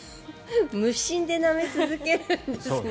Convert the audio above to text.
無心でなめ続けるんですね。